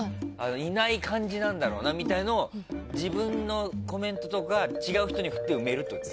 いない感じなんだろうなみたいなのを自分のコメントとか違う人に振って埋めるとか。